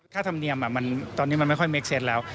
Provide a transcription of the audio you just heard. ค่าธรรมเนียมตอนนี้มันไม่ค่อยทำเมคเสสแล้ว